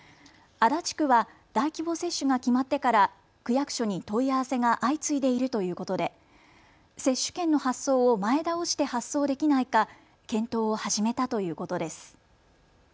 足立区は大規模接種が決まってから区役所に問い合わせが相次いでいるということで接種券の発送を前倒して発送できないか検討を始めたということです。